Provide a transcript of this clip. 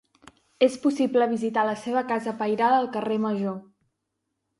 És possible visitar la seva casa pairal al carrer Major.